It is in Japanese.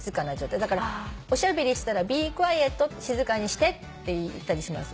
おしゃべりしたら「ビークワイエット」「静かにして」って言ったりしますよね。